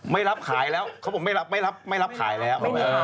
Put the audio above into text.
ไม่รับขายแล้วเขาบอกไม่รับไม่รับขายแล้ว